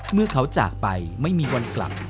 เมื่อเขาจากไปไม่มีวันกลับ